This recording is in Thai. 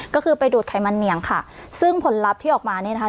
ก็คือไปดูดไขมันเหนียงค่ะซึ่งผลลัพธ์ที่ออกมานี่นะคะ